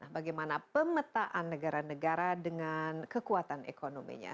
bagaimana pemetaan negara negara dengan kekuatan ekonominya